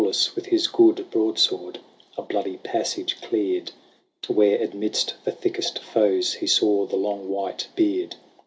Aulus with his good broadsword A bloody passage cleared To where, amidst the thickest foes. He saw the long white beard.